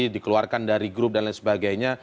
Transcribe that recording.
dikeluarkan dari grup dan lain sebagainya